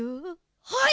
はい！